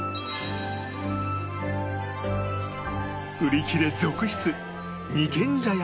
売り切れ続出！